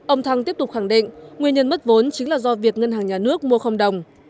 ông thăng tiếp tục khẳng định nguyên nhân mất vốn chính là do việc ngân hàng nhà nước mua không đồng